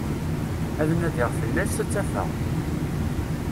Ad nadiɣ fell-as, ad tt-afeɣ.